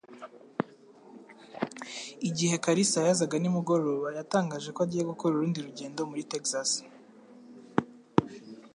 Igihe Kalisa yazaga nimugoroba, yatangaje ko agiye gukora urundi rugendo muri Texas.